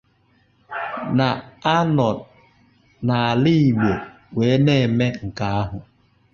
na a nọ n'ala Igbo wee na-eme nke ahụ